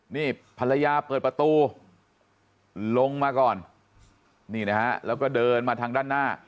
นี่ภรรยาเปิดประตูลงมาก่อนนี่นะฮะแล้วก็เดินมาทางด้านหน้า